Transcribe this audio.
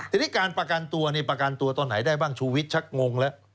ทีนี้การประกันตัวนี่ประกันตัวตอนไหนได้บ้างชูวิทยชักงงแล้ว